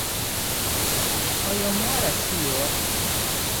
Oyo omuwala si ye waffe.